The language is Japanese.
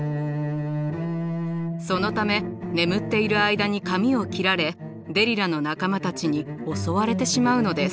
そのため眠っている間に髪を切られデリラの仲間たちに襲われてしまうのです。